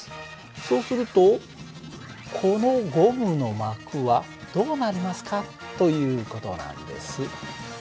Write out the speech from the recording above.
そうするとこのゴムの膜はどうなりますかという事なんです。